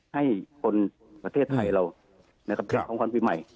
ให้คนประเทศไทยเรานะครับเป็นของขวัญปีใหม่